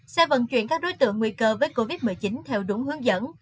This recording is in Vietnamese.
xe vận chuyển các đối tượng nguy cơ với covid một mươi chín theo đúng hướng dẫn